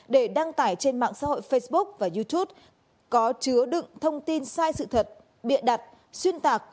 để đăng tải trên mạng xã hội facebook và youtube có chứa đựng thông tin sai sự thật bịa đặt xuyên tạc